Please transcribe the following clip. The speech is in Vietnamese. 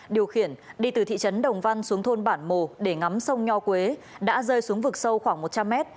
điều khiển đi từ thị trấn đồng văn xuống thôn bản mồ để ngắm sông nho quế đã rơi xuống vực sâu khoảng một trăm linh mét